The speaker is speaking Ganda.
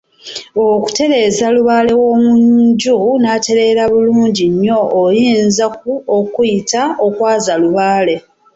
Okutereeza Lubaale w’omu nju n’atereera bulungi nnyo oyinza ku okuyita Okwaaza Lubaale.